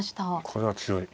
これは強い。